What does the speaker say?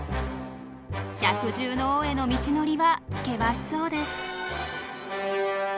百獣の王への道のりは険しそうです。